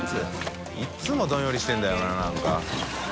い弔どんよりしてるんだよななんか。